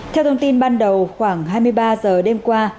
theo thông tin ban đầu khoảng hai mươi ba giờ đêm qua